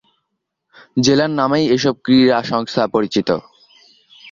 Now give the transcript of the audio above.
জেলার নামেই এসব ক্রীড়া সংস্থা পরিচিত।